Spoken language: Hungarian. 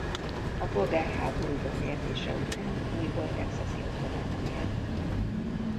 A polgárháború befejezése után újból texasi otthonában élt.